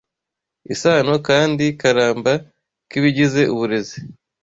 isano kandi karamba k’ibigize uburezi